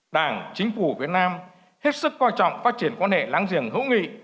đảng chính phủ việt nam hết sức coi trọng phát triển quan hệ láng giềng hữu nghị